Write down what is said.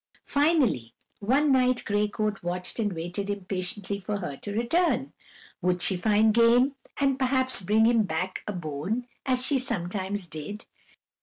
Finally one night Gray Coat watched and waited impatiently for her to return. Would she find game, and perhaps bring him back a bone, as she sometimes did?